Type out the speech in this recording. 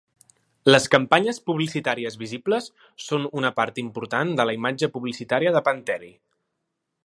Les campanyes publicitàries visibles són una part important de la imatge publicitària de Pantteri.